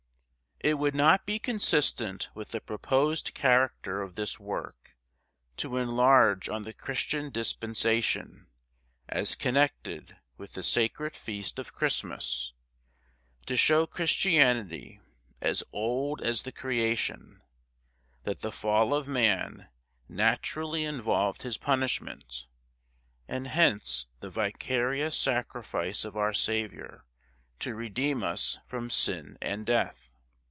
IT would not be consistent with the proposed character of this work to enlarge on the Christian dispensation, as connected with the sacred feast of Christmas; to show Christianity as old as the Creation; that the fall of man naturally involved his punishment; and hence the vicarious sacrifice of our Saviour to redeem us from sin and death.